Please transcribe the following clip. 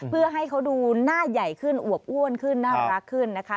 เพื่อให้เขาดูหน้าใหญ่ขึ้นอวบอ้วนขึ้นน่ารักขึ้นนะคะ